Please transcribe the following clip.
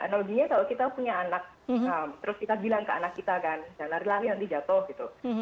analoginya kalau kita punya anak terus kita bilang ke anak kita kan dan lari lari nanti jatuh gitu